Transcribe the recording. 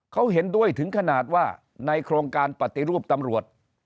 เขาเห็นด้วยถึงขนาดว่าในโครงการปฏิรูปตำรวจ